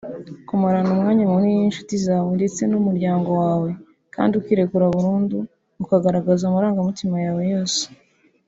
kumarana umwanya munini n’inshuti zawe ndetse n’umuryango wawe kandi ukirekura burundu ukagaragaza amarangamutima yawe yose